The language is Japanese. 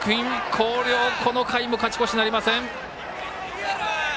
広陵、この回も勝ち越しなりません。